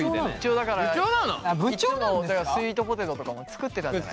だからスイートポテトとかも作ってたじゃない。